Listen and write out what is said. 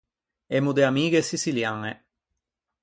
Emmo de amighe siçiliañe.